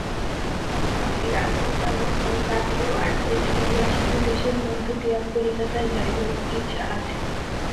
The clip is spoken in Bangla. এক্ষণে রাজপুতানা ও কাথিয়াওয়াড় দেশ হইয়া সিন্ধুদেশের মধ্য দিয়া কলিকাতায় যাইব, ইচ্ছা আছে।